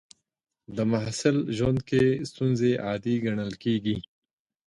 د محصل ژوند کې ستونزې عادي ګڼل کېږي.